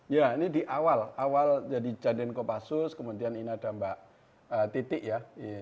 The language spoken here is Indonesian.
ya ini di awal awal jadi jaden kopassus kemudian ini ada mbak titi ya